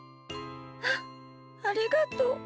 あっありがとう。